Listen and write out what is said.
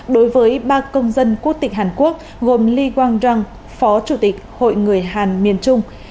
đối với ba công dân quốc tịch hàn quốc gồm lee kwang jung phó chủ tịch hội người hàn miền trung